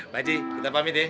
bu haji kita pamit deh